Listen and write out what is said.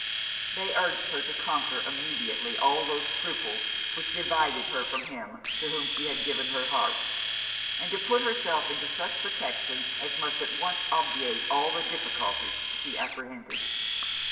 They urged her to conquer immediately all those scruples which divided her from him to whom she had given her heart; and to put herself into such protection as must at once obviate all the difficulties she apprehended.